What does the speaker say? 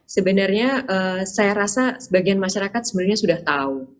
sebenarnya saya rasa sebagian masyarakat sebenarnya sudah tahu